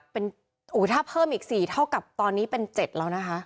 เป็นอู๋ถ้าเพิ่มอีกสี่เท่ากับตอนนี้เป็นเจ็ดแล้วนะฮะ